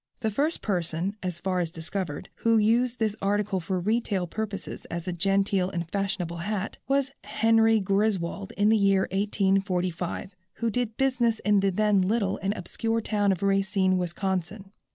The first person, as far as discovered, who used this article for retail purposes as a genteel and fashionable hat, was Henry Griswold in the year 1845, who did business in the then little and obscure town of Racine, Wisconsin.